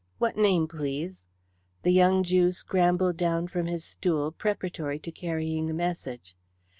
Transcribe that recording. What name, please?" The young Jew scrambled down from his stool preparatory to carrying a message.